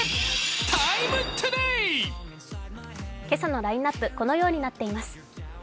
今朝のラインナップ、このようになっています。